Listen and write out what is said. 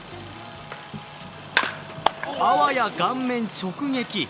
あわや顔面直撃。